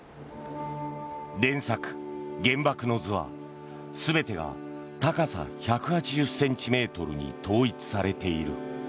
連作「原爆の図」は、全てが高さ１８０ｃｍに統一されている。